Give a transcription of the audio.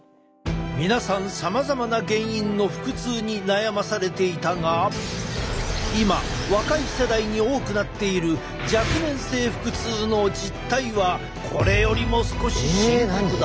皆さんさまざまな原因の腹痛に悩まされていたが今若い世代に多くなっている若年性腹痛の実態はこれよりも少し深刻だ。